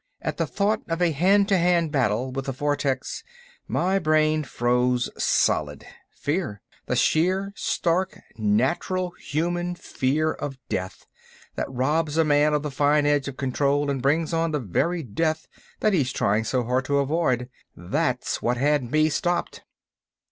"At the thought of a hand to hand battle with a vortex my brain froze solid. Fear—the sheer, stark, natural human fear of death, that robs a man of the fine edge of control and brings on the very death that he is trying so hard to avoid. That's what had me stopped."